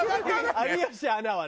有吉アナはね。